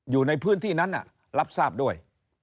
อยู่ในพื้นที่นั้นรับทราบด้วย